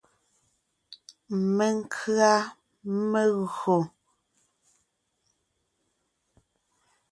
Menkʉ̀a megÿò.